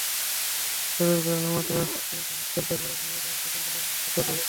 জ্বরের কারণে মাত্র তিনটি ম্যাচ খেলতে পারা ইমরুল অবশ্য দুষলেন ভাগ্যকে।